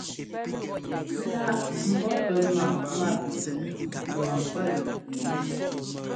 Lá ḿbɔ́ pɛ́ maꞌ mápitsɔꞌ mba ŋkwálʉꞌ.